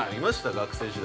学生時代。